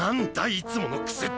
いつものクセって！